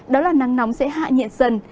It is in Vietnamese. đó là năng nóng sẽ hạ nhiệt dần